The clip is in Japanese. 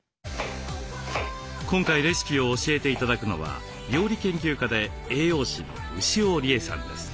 今回レシピを教えて頂くのは料理研究家で栄養士の牛尾理恵さんです。